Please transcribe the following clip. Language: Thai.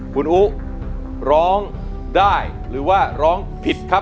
คุณอุ๊ร้องได้หรือว่าร้องผิดครับ